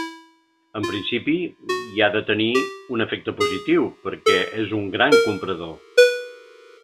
En principi, hi ha de tenir un efecte positiu, perquè és un gran comprador.